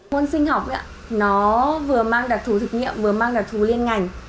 môn sinh học nó vừa mang đặc thù thực nghiệm vừa mang đặc thù liên ngành